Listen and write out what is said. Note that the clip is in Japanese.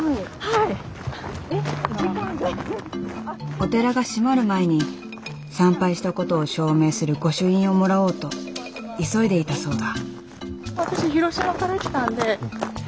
お寺が閉まる前に参拝した事を証明する御朱印をもらおうと急いでいたそうだ。